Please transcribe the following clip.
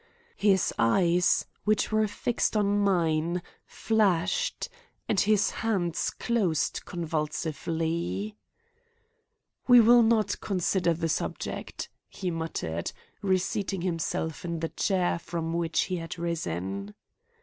His eyes, which were fixed on mine, flashed, and his hands closed convulsively. "We will not consider the subject," he muttered, reseating himself in the chair from which he had risen.